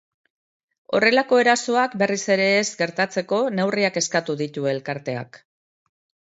Horrelako erasoak berriz ere ez gertatzeko neurriak eskatu ditu elkarteak.